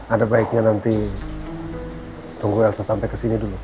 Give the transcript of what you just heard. ada baiknya nanti tunggu elsa sampai kesini dulu